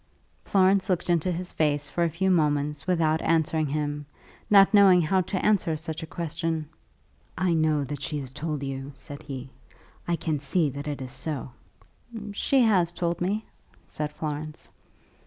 Florence looked into his face for a few moments without answering him, not knowing how to answer such a question. "I know that she has told you," said he. "I can see that it is so." "She has told me," said Florence.